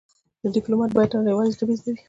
د ډيپلومات بايد نړېوالې ژبې زده وي.